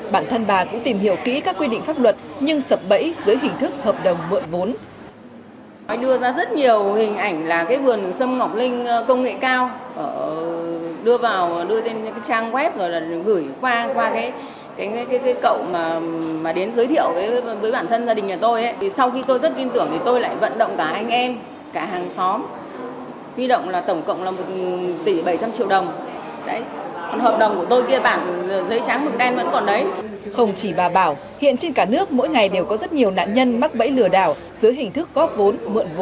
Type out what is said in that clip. bản thân bà cũng tìm hiểu kỹ các quy định pháp luật nhưng sập bẫy dưới hình thức hợp đồng mượn vốn